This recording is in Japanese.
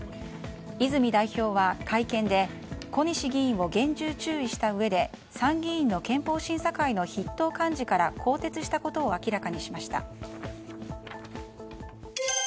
泉代表は会見で小西議員を厳重注意したうえで参議院の憲法審査会の筆頭幹事から更迭したことを明らかにしました。